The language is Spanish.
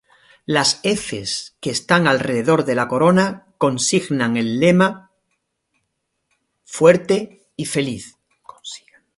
Las efes que están alrededor de la corona consigan el lema "Fuerte y Feliz".